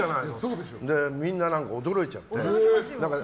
みんな驚いちゃって。